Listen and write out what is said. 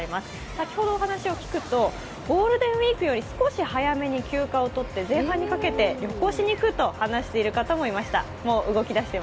先ほどお話を聞くとゴールデンウイークより少し早めに休暇を取って前半にかけて旅行しに行くと話していました。